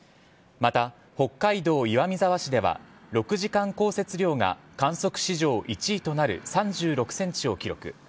また、北海道岩見沢市では６時間降雪量が観測史上１位となる３６センチを記録。